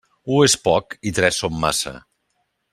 U és poc i tres són massa.